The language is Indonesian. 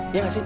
iya gak sih